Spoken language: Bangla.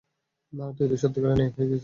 তুই তো সত্যিকারের নায়ক হয়ে গেছিস, বাতরা!